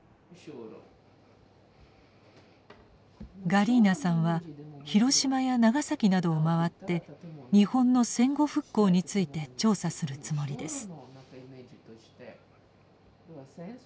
ガリーナさんは広島や長崎などを回って日本の戦後復興について調査するつもりです。